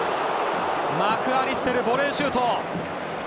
マクアリステルボレーシュート！